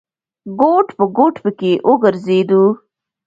ګوټ په ګوټ پکې وګرځېدو.